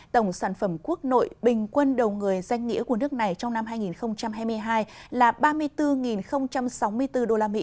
tổng sản phẩm quốc nội bình quân đầu người danh nghĩa của nước này trong năm hai nghìn hai mươi hai là ba mươi bốn sáu mươi bốn usd